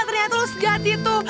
ternyata lu segat gitu